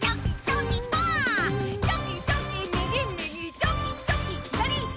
チョキチョキ左左。